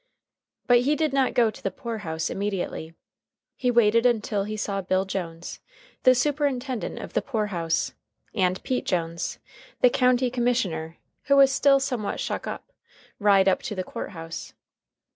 But he did not go to the poor house immediately. He waited until he saw Bill Jones, the Superintendent of the Poor House, and Pete Jones, the County Commissioner, who was still somewhat shuck up, ride up to the court house.